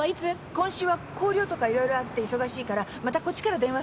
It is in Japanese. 今週は校了とかいろいろあって忙しいからまたこっちから電話するって。